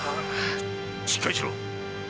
しっかりしろ！